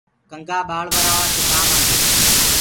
ڪنٚگآ ٻݪورآوآ ڪي ڪآم آندو هي۔